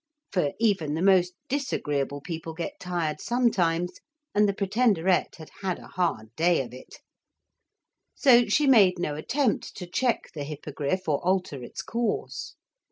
For even the most disagreeable people get tired sometimes, and the Pretenderette had had a hard day of it. So she made no attempt to check the Hippogriff or alter its course.